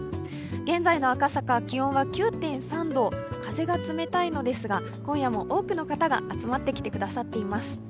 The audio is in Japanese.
現在の赤坂、気温は９．３度、風が冷たいのですが今夜も多くの方が集まってきてくださっています。